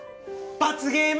罰ゲーム！